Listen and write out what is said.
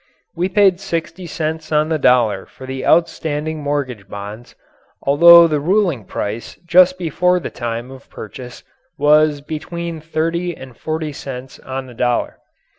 We paid sixty cents on the dollar for the outstanding mortgage bonds, although the ruling price just before the time of purchase was between thirty and forty cents on the dollar.